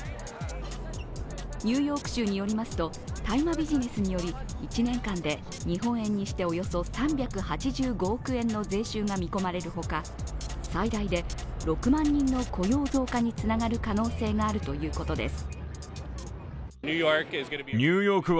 ニューヨーク州によりますと大麻ビジネスにより１年間で日本円にしておよそ３８５億円の税収が見込まれるほか最大で６万人の雇用増加につながる可能性があるということです。